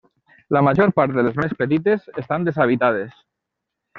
La major part de les més petites estan deshabitades.